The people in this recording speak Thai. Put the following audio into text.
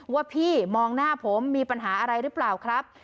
ว่าพี่มองหน้าผมมีปัญหาอะไรหรือเปล่าครับ